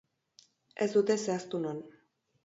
Ez dute zehaztu non.